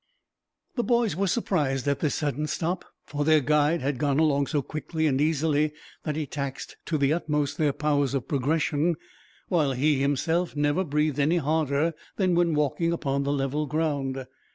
The boys were surprised at this sudden stop, for their guide had gone along so quickly and easily that he taxed, to the utmost, their powers of progression; while he, himself, never breathed any harder than when walking upon the level ground.